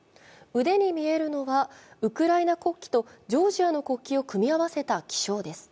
腕に見えるのは、ウクライナ国旗とジョージアの国旗を組み合わせた記章です。